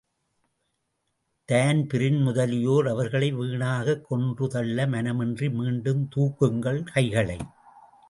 Dan Breen முதலியோர் அவர்களை வீணாகக் கொன்றுதள்ள மனமின்றி, மீண்டும், தூக்குங்கள் கைகளை!